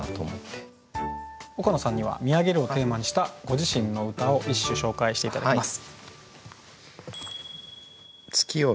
岡野さんには「見上げる」をテーマにしたご自身の歌を一首紹介して頂きます。